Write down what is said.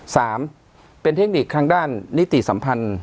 สามเป็นเทคนิคทางด้านนิติสัมพันธ์